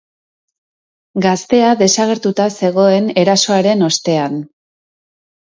Gaztea desagertuta zegoen erasoaren ostean.